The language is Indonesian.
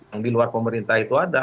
yang diluar pemerintah itu ada